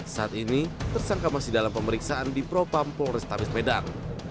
saat ini tersangka masih dalam pemeriksaan di propam polrestabes medan